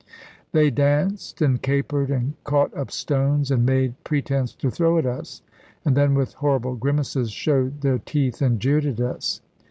They danced, and capered, and caught up stones, and made pretence to throw at us; and then, with horrible grimaces, showed their teeth and jeered at us.